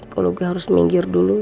kalau gue harus minggir dulu